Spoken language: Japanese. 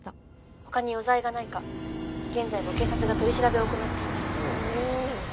他に余罪がないか現在も警察が取り調べを行っています。